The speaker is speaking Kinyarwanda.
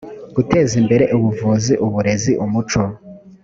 guteza imbere ubuvuzi uburezi umuco